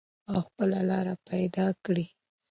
او خپله لار پیدا کړئ.